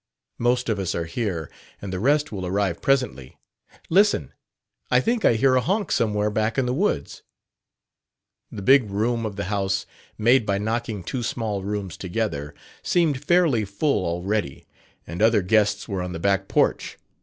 "Most of us are here, and the rest will arrive presently. Listen. I think I hear a honk somewhere back in the woods." The big room of the house, made by knocking two small rooms together, seemed fairly full already, and other guests were on the back porch.